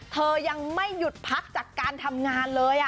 เธอยังไม่หยุดพักจากการทำงานเลย